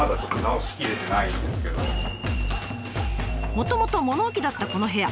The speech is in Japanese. もともと物置だったこの部屋。